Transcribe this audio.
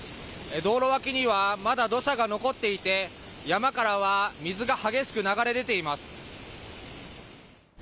道路脇にはまだ土砂が残っていて山からは水が激しく流れ出ています。